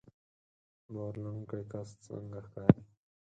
باور لرونکی کس څنګه ښکاري